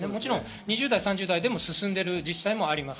２０代、３０代でも進んでいる自治体もあります。